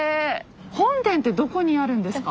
本殿ってどこにあるんですか？